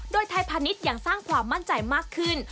โดยไทยพาณิชย์ยังสร้างความมั่นใจมากขึ้น